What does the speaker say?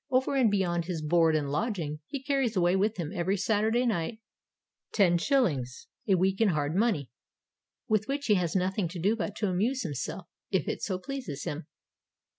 Over and beyond his board and lodging he carries away with him every Saturday night 10s. a week in hard money, with which he has nothing to do but to amuse himself if it so pleases him.